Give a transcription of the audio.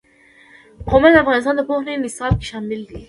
قومونه د افغانستان د پوهنې نصاب کې شامل دي.